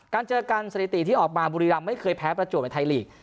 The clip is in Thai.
เจอกันสถิติที่ออกมาบุรีรำไม่เคยแพ้ประจวบในไทยลีก